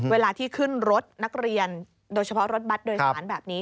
เวลาที่ขึ้นรถนักเรียนโดยเฉพาะรถบัตรโดยสารแบบนี้